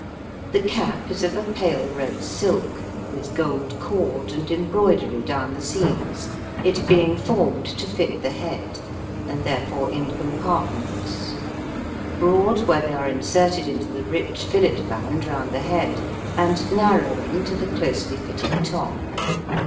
The cap is of a pale red silk, with gold cord and embroidery down the seams, it being formed to fit the head, and therefore in compartments; broad where they are inserted into the rich fillet band round the head, and narrowing to the closely fitting top.